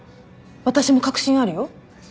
私も確信あるよ。